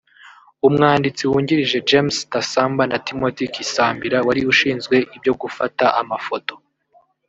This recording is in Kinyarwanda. umwanditsi wungirije James Tasamba na Timothy Kisambira wari ushinzwe ibyo gufata amafoto